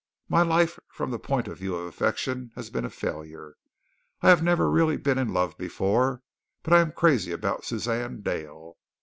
My life from the point of view of affection has been a failure. I have never really been in love before, but I am crazy about Suzanne Dale.